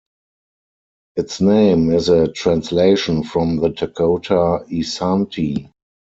Its name is a translation from the Dakota "Isaanti".